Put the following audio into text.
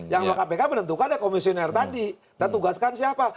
yang oleh kpk menentukan komisioner tadi dan tugaskan siapa